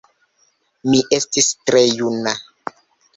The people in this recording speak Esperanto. Mi estis tre juna.